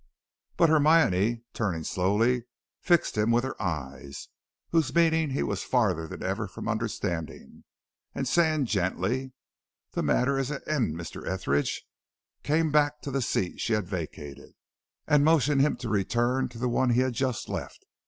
But Hermione, turning slowly, fixed him with her eyes, whose meaning he was farther than ever from understanding, and saying gently, "The matter is at end, Mr. Etheridge," came back to the seat she had vacated, and motioned to him to return to the one he had just left.